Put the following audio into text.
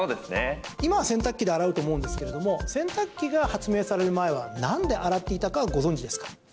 今は洗濯機で洗うと思うんですけれども洗濯機が発明される前は何で洗っていたかご存じですか？